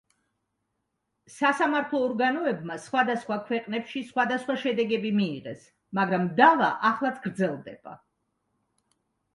სასამართლო ორგანოებმა სხვადასხვა ქვეყნებში სხვადასხვა შედეგები მიიღეს, მაგრამ დავა ეხლაც გრძელდება.